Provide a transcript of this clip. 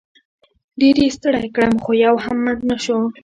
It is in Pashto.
ډېر یې ستړی کړم خو یو هم مړ نه شو.